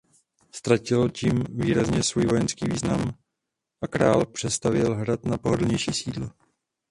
Ztratil tím výrazně svůj vojenský význam a král přestavěl hrad na pohodlnější sídlo.